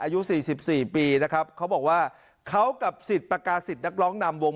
อายุ๔๔ปีนะครับเขาบอกว่าเขากับสิทธิ์ประกาศิษย์นักร้องนำวง